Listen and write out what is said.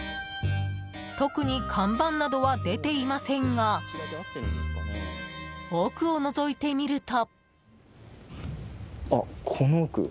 特に看板などは出ていませんが奥をのぞいてみると。